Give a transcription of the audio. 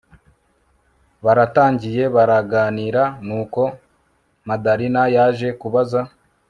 Baratangiye baraganira nuko Madalina yaje kubaza